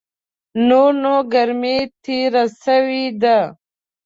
نور نو ګرمي تېره سوې ده .